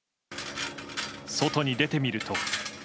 外に出てみると。